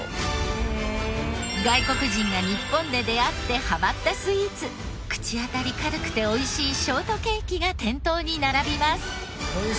外国人が日本で出会ってハマったスイーツ口当たり軽くておいしいショートケーキが店頭に並びます。